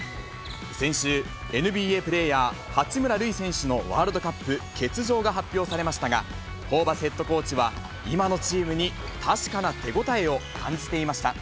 先週、ＮＢＡプレーヤー、八村塁選手のワールドカップ欠場が発表されましたが、ホーバスヘッドコーチは、今のチームに確かな手応えを感じていました。